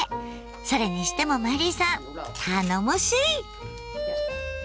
それにしてもマリーさん頼もしい！